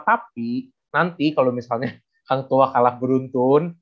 tapi nanti kalo misalnya hang tuah kalah beruntun